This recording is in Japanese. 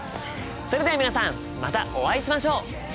それでは皆さんまたお会いしましょう！